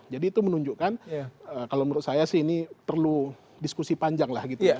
jadi itu menunjukkan kalau menurut saya sih ini perlu diskusi panjang lah gitu ya